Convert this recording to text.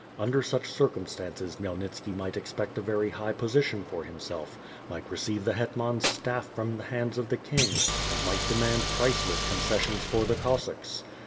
Under such circumstances Khmyel nitski might expect a very high position for himself, might receive the hetman's staff from the hands of the King and might demand priceless concessions for the Cossacks.